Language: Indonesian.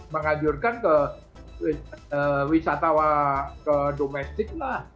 mengajurkan ke wisatawan ke domestik lah